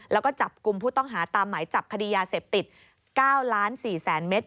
แล้วก็จับกลุ่มผู้ต้องหาตามหมายจับคดียาเสพติด๙๔๐๐๐เมตร